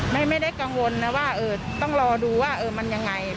ไม่ไม่ได้กังวลนะว่าเออต้องรอดูว่าเออมันยังไง